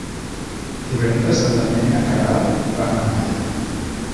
Divendres en Damià i na Queralt van a Malla.